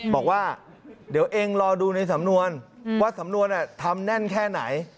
บอกว่าเดี๋ยวเองรอดูในสำนวนว่าสำนวนทำแน่นแค่ไหน